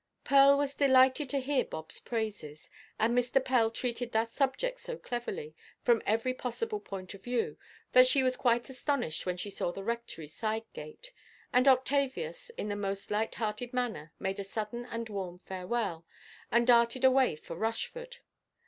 Pearl was delighted to hear Bobʼs praises; and Mr. Pell treated that subject so cleverly, from every possible point of view, that she was quite astonished when she saw the Rectory side–gate, and Octavius, in the most light–hearted manner, made a sudden and warm farewell, and darted away for Rushford.